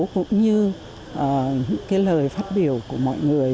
cũng như những lời phát biểu của mọi người